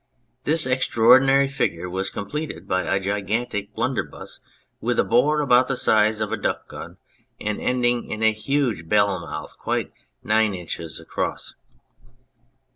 This extra ordinary figure was completed by a gigantic blunder buss with a bore about the size of a duck gun and ending in a huge bell mouth quite nine inches across.